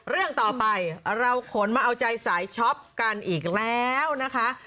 เรื่องต่อไปเราขนมาเอาใจสายช็อปกันอีกแล้วนะคะ